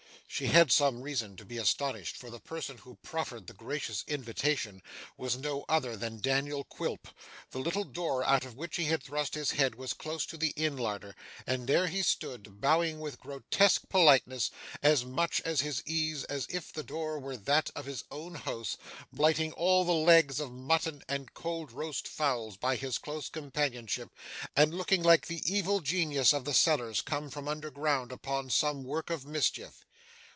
She had some reason to be astonished, for the person who proffered the gracious invitation was no other than Daniel Quilp. The little door out of which he had thrust his head was close to the inn larder; and there he stood, bowing with grotesque politeness; as much at his ease as if the door were that of his own house; blighting all the legs of mutton and cold roast fowls by his close companionship, and looking like the evil genius of the cellars come from underground upon some work of mischief.